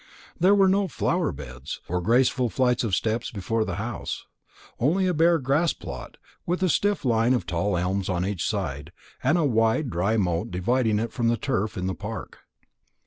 There were no flower beds, no terraced walks, or graceful flights of steps before the house; only a bare grassplot, with a stiff line of tall elms on each side, and a wide dry moat dividing it from the turf in the park.